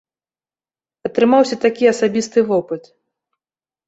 Атрымаўся такі асабісты вопыт.